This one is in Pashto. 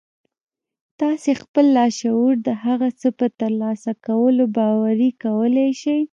تاسې خپل لاشعور د هغه څه په ترلاسه کولو باوري کولای شئ